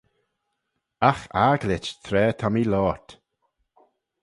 Agh agglit tra ta mee loayrt.